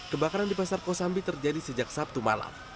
kebakaran di pasar kosambi terjadi sejak sabtu malam